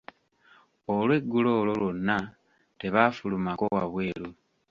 Olwegguulo olwo lwonna, tebaafulumako wabweru.